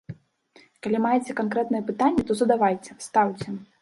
Калі маеце канкрэтныя пытанні, то задавайце, стаўце.